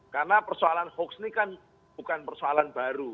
karena persoalan hoax ini kan bukan persoalan baru